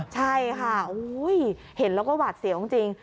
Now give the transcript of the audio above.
ใช่ค่ะเห็นแล้วก็หวาดเสียวจริง